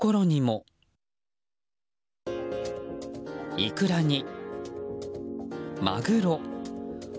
イクラに、マグロ。